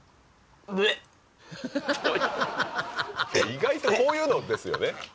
意外とこういうのですよね